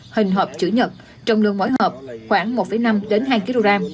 hình hộp chữ nhật trọng lượng mỗi hộp khoảng một năm hai kg